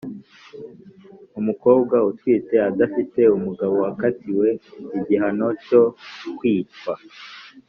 umukobwa utwite adafite umugabo wakatiwe igihano cyo kwicwa